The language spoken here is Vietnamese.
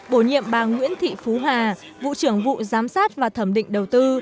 bộ nhiệm bang nguyễn thị phú hà vụ trưởng vụ giám sát và thẩm định đầu tư